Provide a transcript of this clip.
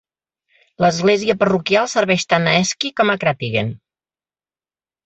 L'església parroquial serveix tant a Aeschi com a Krattigen.